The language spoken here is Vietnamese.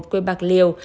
quê bạc liêu